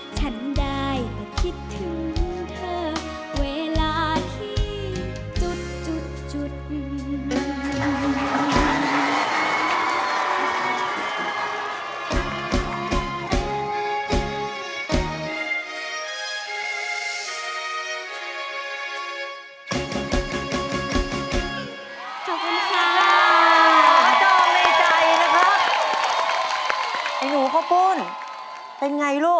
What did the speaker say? ฉันได้คิดถึงเธอเวลาที่จุดอื่น